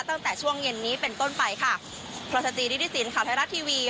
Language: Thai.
ตั้งแต่ช่วงเย็นนี้เป็นต้นไปค่ะพรสจิริสินข่าวไทยรัฐทีวี